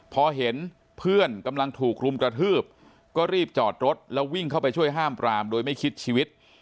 พอเห็นเพื่อนกำลังถูกรุมกระทืบก็รีบจอดรถแล้ววิ่งเข้าไปช่วยห้ามปรามโดยไม่คิดชีวิต